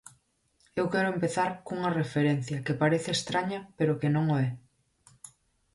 Eu quero empezar cunha referencia que parece estraña pero que non o é.